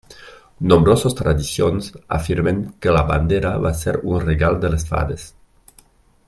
Nombroses tradicions afirmen que la bandera va ser un regal de les fades.